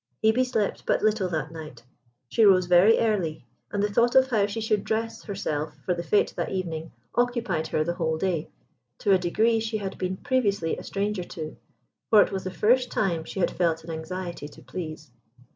Hebe slept but little that night. She rose very early, and the thought of how she should dress herself for the fête that evening occupied her the whole day, to a degree she had been previously a stranger to, for it was the first time she had felt an anxiety to please.